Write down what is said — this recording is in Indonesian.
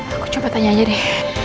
aku coba tanya aja deh